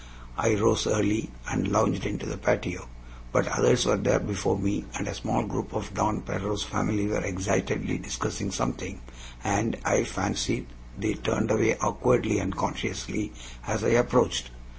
I rose early, and lounged into the patio; but others were there before me, and a small group of Don Pedro's family were excitedly discussing something, and I fancied they turned away awkwardly and consciously as I approached.